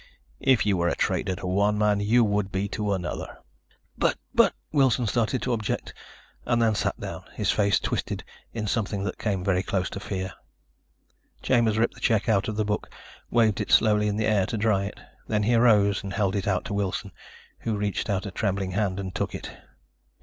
If you were a traitor to one man, you would be to another." "But ... but ..." Wilson started to object and then sat down, his face twisted in something that came very close to fear. Chambers ripped the check out of the book, waved it slowly in the air to dry it. Then he arose and held it out to Wilson, who reached out a trembling hand and took it.